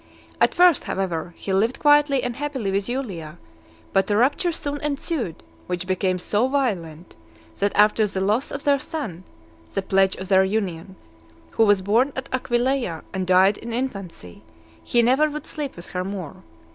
At first, however, he lived quietly and happily with Julia; but a rupture soon ensued, which became so violent, that after the loss of their son, the pledge of their union, who was born at Aquileia and died in infancy , he never would sleep with her more.